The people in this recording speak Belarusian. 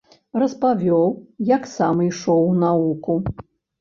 Распавёў, як сам ішоў у навуку.